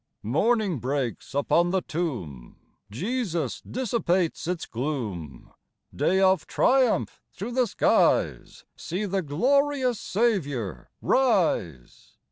Morning breaks upon the tomb ; Jesus dissipates its gloom ; Day of triumph through the skies, See the glorious Saviour rise